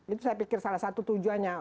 itu saya pikir salah satu tujuannya